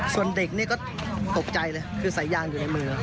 ส่วนเด็กนี่ก็ตกใจเลยคือสายยางอยู่ในมือ